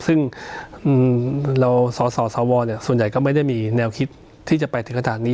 ซึ่งเราสสวส่วนใหญ่ก็ไม่ได้มีแนวคิดที่จะไปถึงขนาดนี้